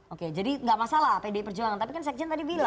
oke jadi nggak masalah pdi perjuangan tapi kan sekjen tadi bilang